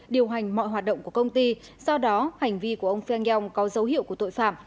điều hành mọi hoạt động của công ty do đó hành vi của ông phiang yong có dấu hiệu của tội phạm